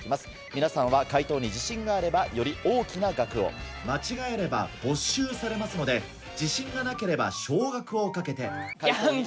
皆さんは解答に自信があればより大きな額を間違えれば没収されますので自信がなければ少額を賭けて。